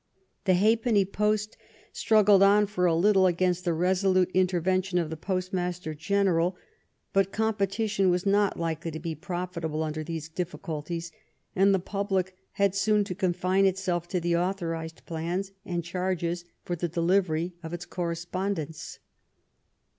The halfpenny post strug gled on for a little against the resolute intervention of the postmaster general, but competition was not likely to be profitable under these difficulties, and the public had soon to confine itself to the authorized plans and charges for the delivery of its correspondence.